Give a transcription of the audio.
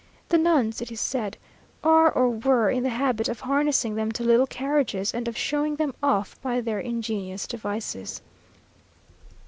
The nuns, it is said, are or were in the habit of harnessing them to little carriages, and of showing them off by other ingenious devices.